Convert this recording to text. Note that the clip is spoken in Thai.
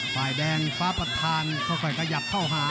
ฝ่ายแดงฟ้าประธานค่อยขยับเข้าหา